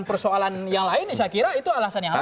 persoalan yang lain saya kira itu alasan yang lain